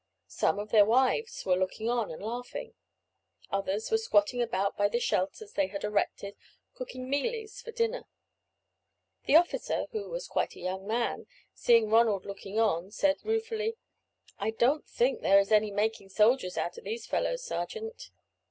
Some of their wives were looking on and laughing; others were squatting about by the shelters they had erected, cooking mealies for dinner. The officer, who was quite a young man, seeing Ronald looking on, said, ruefully: "I don't think there is any making soldiers out of these fellows, sergeant."